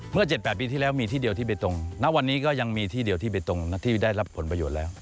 ๗๘ปีที่แล้วมีที่เดียวที่ไปตรงณวันนี้ก็ยังมีที่เดียวที่ไปตรงที่ได้รับผลประโยชน์แล้ว